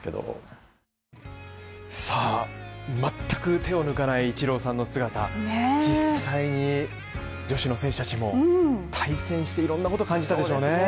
全く手を抜かないイチローさんの姿を実際に女子の選手たちも対戦していろんなことを感じたでしょうね